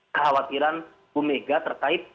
kekhawatiran bu mega terkait